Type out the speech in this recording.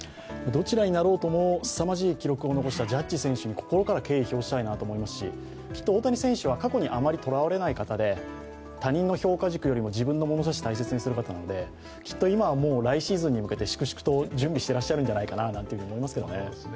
どちらになろうともすさまじい記録を残したジャッジ選手に心から敬意を表したいと思いますし、きっと大谷選手は過去にあまりとらわれない方で、他人の評価軸よりも自分の物差しを大切にする方なのできっと今はもう来シーズンに向けて、粛々と準備していらっしゃると思いますけどね。